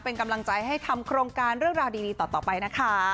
เป็นกำลังใจให้ทำโครงการเรื่องราวดีต่อไปนะคะ